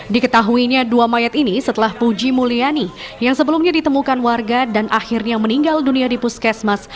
diketahuinya dua mayat ini setelah puji mulyani yang sebelumnya ditemukan warga dan akhirnya meninggal dunia di puskesmas